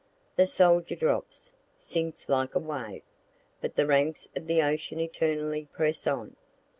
The soldier drops, sinks like a wave but the ranks of the ocean eternally press on.